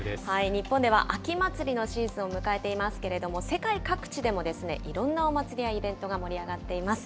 日本では秋祭りのシーズンを迎えていますけれども、世界各地でもいろんなお祭りやイベントが盛り上がっています。